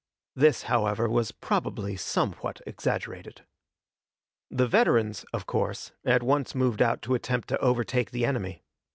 This, however, was probably somewhat exaggerated. The veterans, of course, at once moved out to attempt to overtake the enemy.